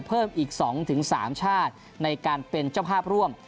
เพิ่มอีก๒๓ชาติในการเป็นเจ้าภาพร่วม